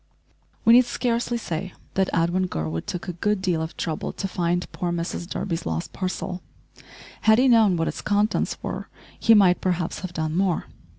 We need scarcely say that Edwin Gurwood took a good deal of trouble to find poor Mrs Durby's lost parcel. Had he known what its contents were he might perhaps have done more.